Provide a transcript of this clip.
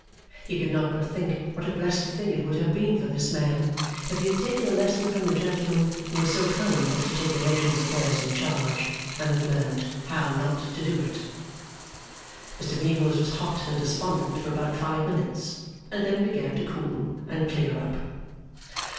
He could not but think what a blessed thing it would have been for this man, if he had taken a lesson from the gentlemen who were so kind as to take a nation's affairs in charge, and had learnt How not to do it. Mr Meagles was hot and despondent for about five minutes, and then began to cool and clear up.